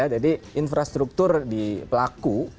jadi infrastruktur di pelaku